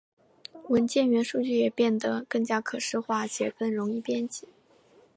文件元数据也变得更加可视化且更容易编辑。